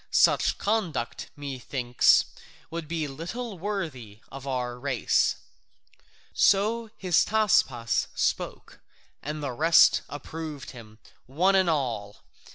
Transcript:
Such conduct, methinks, would be little worthy of our race." So Hystaspas spoke, and the rest approved him, one and all.